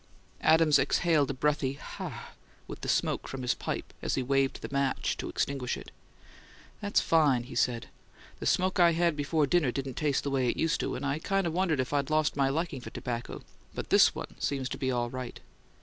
Adams exhaled a breathy "Ha!" with the smoke from his pipe as he waved the match to extinguish it. "That's fine," he said. "The smoke I had before dinner didn't taste the way it used to, and I kind of wondered if I'd lost my liking for tobacco, but this one seems to be all right.